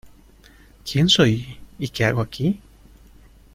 Quién soy y qué hago aquí...